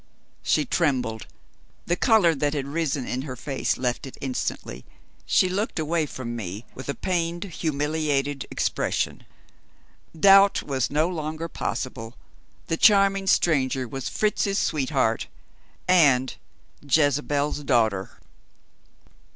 She trembled; the color that had risen in her face left it instantly; she looked away from me with a pained, humiliated expression. Doubt was no longer possible. The charming stranger was Fritz's sweetheart and "Jezebel's Daughter."